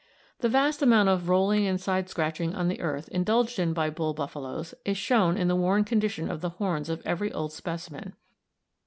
The vast amount of rolling and side scratching on the earth indulged in by bull buffaloes is shown in the worn condition of the horns of every old specimen.